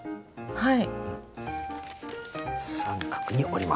はい。